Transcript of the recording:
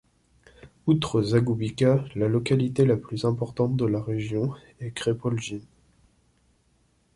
Outre Žagubica, la localité la plus importante de la région est Krepoljin.